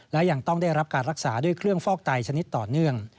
และยังต้องได้รับการรักษาด้วยเครื่องฟอกไตชนิดต่อเนื่อง